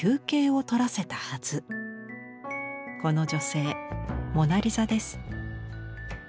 この女性モナ・リザです。